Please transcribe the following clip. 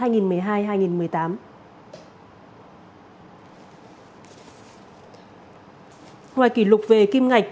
ngoài kỷ lục về kim ngạch